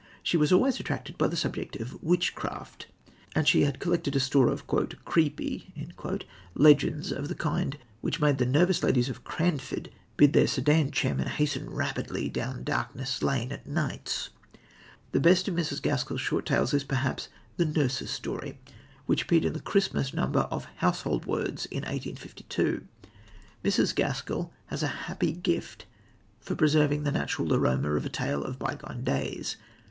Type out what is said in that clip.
She was always attracted by the subject of witchcraft; and she had collected a store of "creepy" legends of the kind which made the nervous ladies of Cranford bid their sedan chairmen hasten rapidly down Darkness Lane at nights. The best of Mrs. Gaskell's short tales is perhaps The Nurse's Story, which appeared in the Christmas number of Household Words in 1852. Mrs. Gaskell has a happy gift for preserving the natural aroma of a tale of bygone days.